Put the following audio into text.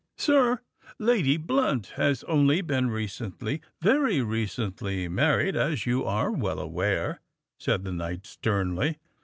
"Sir, Lady Blunt has only been recently—very recently married, as you are well aware," said the knight sternly.